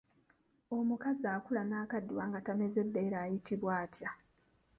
Omukazi akula n'akaddiwa nga tameze bbeere ayitibwa atya?